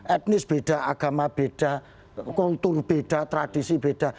etnis beda agama beda kontur beda tradisi beda